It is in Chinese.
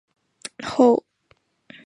后累升至礼科都给事中。